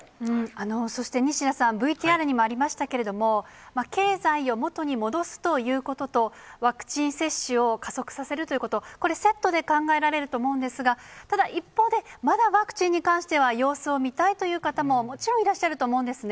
そして、西田さん、ＶＴＲにもありましたけれども、経済を元に戻すということと、ワクチン接種を加速させるということ、これ、セットで考えられると思うんですが、ただ一方で、まだワクチンに関しては、様子を見たいという方も、もちろんいらっしゃると思うんですね。